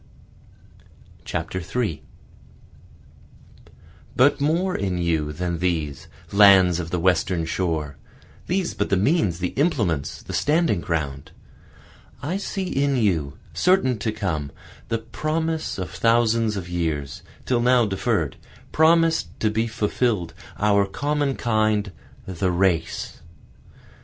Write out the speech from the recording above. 3 But more in you than these, lands of the Western shore, (These but the means, the implements, the standing ground,) I see in you, certain to come, the promise of thousands of years, till now deferr'd, Promis'd to be fulfill'd, our common kind, the race.